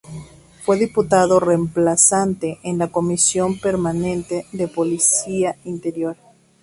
Fue diputado reemplazante en la Comisión Permanente de policía Interior.